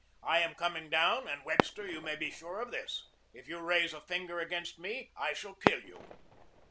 "I am coming down and, Webster, you may be sure of this, if you raise a finger against me I shall kill you."